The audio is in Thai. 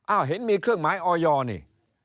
อ้าวเห็นมีเครื่องหมายออย่อนี่